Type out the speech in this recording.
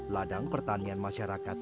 ladang pertanian masyarakat